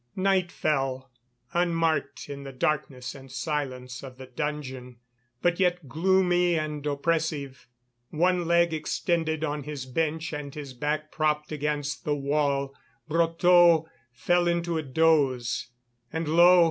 Night fell, unmarked in the darkness and silence of the dungeon, but yet gloomy and oppressive. One leg extended on his bench and his back propped against the wall, Brotteaux fell into a doze. And lo!